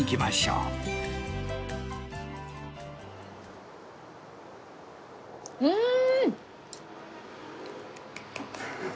うん！